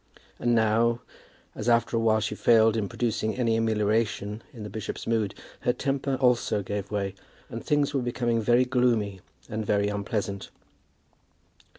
And now, as after a while she failed in producing any amelioration in the bishop's mood, her temper also gave way, and things were becoming very gloomy and very unpleasant.